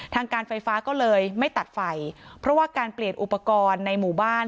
ทางการไฟฟ้าก็เลยไม่ตัดไฟเพราะว่าการเปลี่ยนอุปกรณ์ในหมู่บ้าน